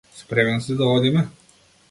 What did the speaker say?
Спремен си да одиме?